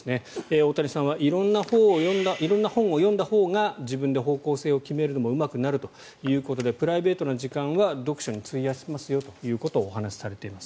大谷さんは色んな本を読んだほうが自分で方向性を決めるのもうまくなるということでプライベートの時間を読書に費やしますとお話しされています。